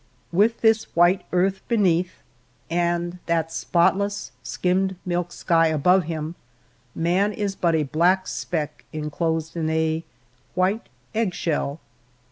With this white earth beneath, and that spotless, skimmed milk sky above him, man is but a black speck inclosed in a white egg shell.